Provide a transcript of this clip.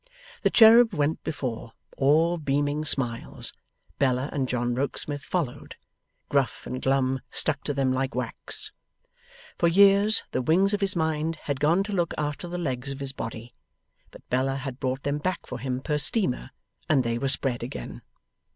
The cherub went before, all beaming smiles; Bella and John Rokesmith followed; Gruff and Glum stuck to them like wax. For years, the wings of his mind had gone to look after the legs of his body; but Bella had brought them back for him per steamer, and they were spread again.